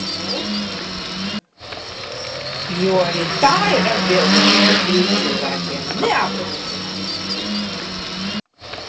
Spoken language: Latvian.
Jo arī tā ir atbildība pret līdzcilvēkiem– neapgrūtināt.